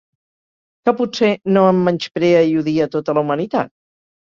Que potser no em menysprea i odia tota la humanitat?